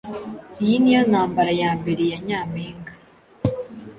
Iyi niyo ntambara ya mbere ya nyampinga